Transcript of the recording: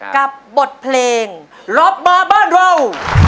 กับบทเพลงล็อปมาบ้านเรา